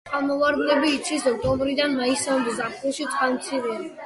წყალმოვარდნები იცის ოქტომბრიდან მაისამდე, ზაფხულში წყალმცირეა.